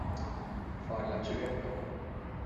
Fare la civetta.